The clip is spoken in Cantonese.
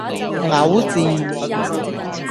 牛治